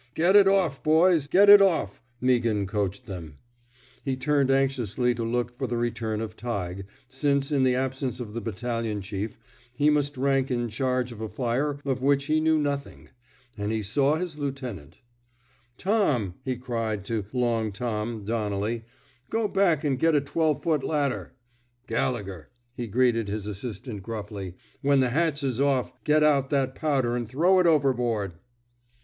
'' Get it off, boys! Get it off,'' Meaghan coached them. He turned anxiously to look for the return of Tighe, since, in the absence of the battal ion chief, he must rank in charge of a fire of which he knew nothing. And he saw his lieutenant. 36 A CHARGE OF COWARDICE Tom/' he cried to '* Long Tom '* Don nelly, go back an' get a twelve foot ladder. ... Gallegher," he greeted his assistant gruffly, when the hatch's off, get out that powder an' throw it overboard."